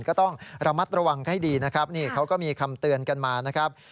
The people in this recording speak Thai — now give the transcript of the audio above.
ก็ต้องระมัดระวังให้ดีนะครับนี่เขาก็มีคำเตือนกันมานะครับ